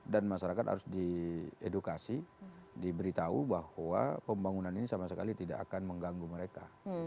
dan masyarakat harus diedukasi diberitahu bahwa pembangunan ini sama sekali tidak akan mengganggu mereka